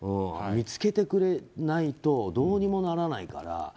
見つけてくれないとどうにもならないから。